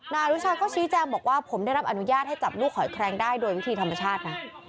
นายอนุชาก็ชี้แจงบอกว่าผมได้รับอนุญาตให้จับลูกหอยแคลงได้โดยวิธีธรรมชาตินะ